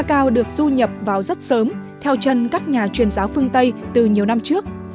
cao được du nhập vào rất sớm theo chân các nhà truyền giáo phương tây từ nhiều năm trước